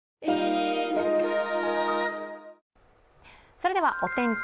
それではお天気。